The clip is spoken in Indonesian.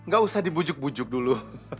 nggak dibujuk bujuk dulu